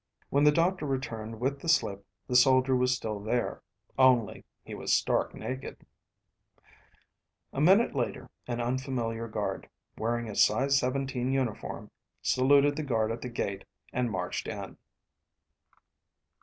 When the doctor returned with the slip the soldier was still there only he was stark naked. A minute later, an unfamiliar guard, wearing a size seventeen uniform, saluted the guard at the gate, and marched in.